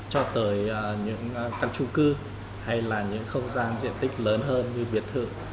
cho tới những căn trung cư hay là những không gian diện tích lớn hơn như biệt thự